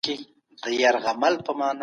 طبيعي سرچينې بايد په سمه توګه وکارول سي.